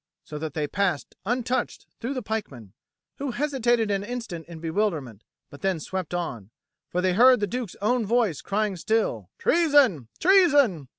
So that they passed untouched through the pikemen, who hesitated an instant in bewilderment but then swept on; for they heard the Duke's own voice crying still "Treason, treason!"